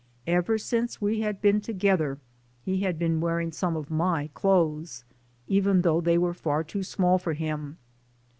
Ever since we had been together he had been wearing some of my clothes, even though they were far too small for him.